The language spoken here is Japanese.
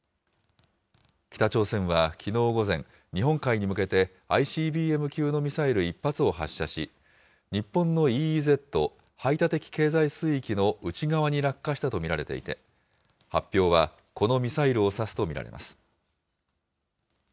北朝鮮はきのう午前、日本海に向けてＩＣＢＭ級のミサイル１発を発射し、日本のＥＥＺ・排他的経済水域の内側に落下したと見られていて、発表はこのミサイルを指すと見られます。